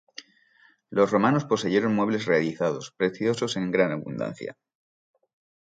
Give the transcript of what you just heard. Los romanos poseyeron muebles realizados, preciosos en gran abundancia.